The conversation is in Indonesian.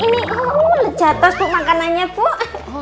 ini lecatos tuh makanannya puk